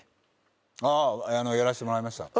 あやらせてもらいました。